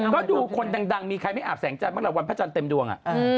ก็ดูคนดังมีใครไม่อาบแสงจันทร์บ้างล่ะวันพระจันทร์เต็มดวง